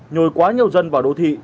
nhồi quá nhiều dân vào đô thị